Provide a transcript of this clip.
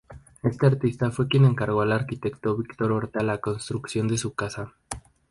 Este artista fue quien encargó al arquitecto Victor Horta la construcción de su casa.